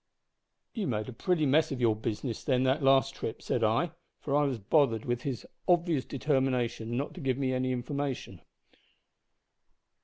"' "`You made a pretty mess of your business, then, the last trip,' said I, for I was bothered with his obvious determination not to give me any information.